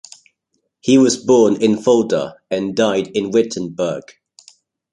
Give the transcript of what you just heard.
He was born in Fulda and died in Wittenberg.